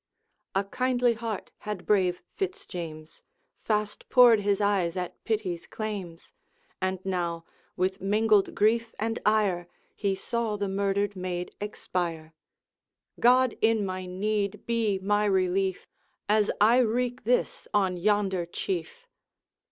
A kindly heart had brave Fitz James; Fast poured his eyes at pity's claims; And now, with mingled grief and ire, He saw the murdered maid expire. 'God, in my need, be my relief, As I wreak this on yonder Chief!'